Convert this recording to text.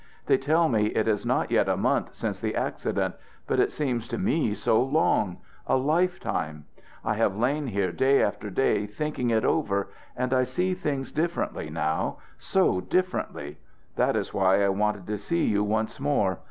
They tell me it is not yet a month since the accident, but it seems to me so long a lifetime! I have lain here day after day thinking it over, and I see things differently now so differently! That is why I wanted to see you once more.